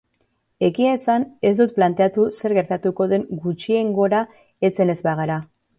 Egia esan, ez dut planteatu zer gertatuko den gutxiengora heltzen ez bagara.